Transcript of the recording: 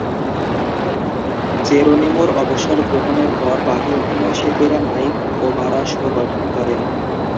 জেরোনিমোর অবসর গ্রহণের পর, বাকি অভিনয়শিল্পীরা মাইক ও'মারা শো গঠন করেন।